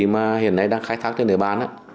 mà hiện nay đang khai thác trên nơi bán